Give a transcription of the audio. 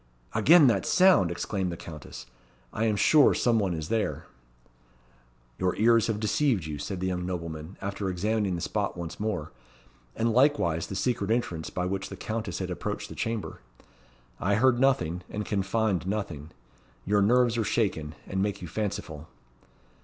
"Again that sound!" exclaimed the Countess. "I am sure some one is there." "Your ears have deceived you," said the young nobleman, after examining the spot once more, and likewise the secret entrance by which the Countess had approached the chamber. "I heard nothing, and can find nothing. Your nerves are shaken, and make you fanciful."